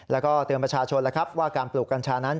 แล้วก็เตือนประชาชนแล้วครับว่าการปลูกกัญชานั้น